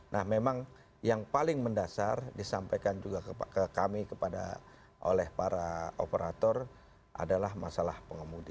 nah memang yang paling mendasar disampaikan juga ke kami oleh para operator adalah masalah pengemudi